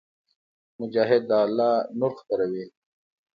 مجاهد د الله نور خپروي.